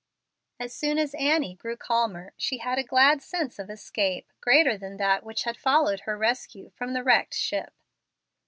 As soon as Annie grew calmer she had a glad sense of escape greater than that which had followed her rescue from the wrecked ship.